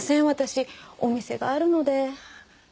私お店があるので。